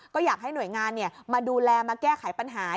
ก็อยากให้หน่วยงานมาดูแลมาแก้ไขปัญหา